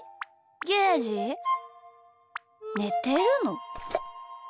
ゲージ？ねてるの？